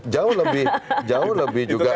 jauh lebih juga